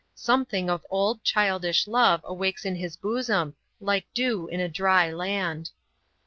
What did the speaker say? Something of old, childish love awakes in his bosom, like dew in a dry land.